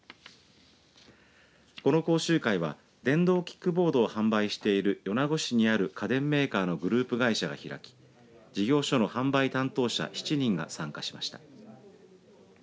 この講習会は電動キックボード販売している米子市にある家電メーカーのグループ会社が開き事業者の販売担当者７人が参加しました。